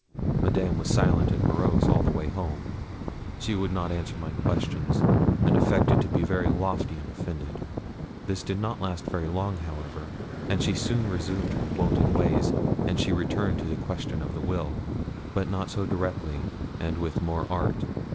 Madame was silent and morose all the way home. She would not answer my questions, and affected to be very lofty and offended. This did not last very long, however, and she soon resumed her wonted ways. And she returned to the question of the will, but not so directly, and with more art.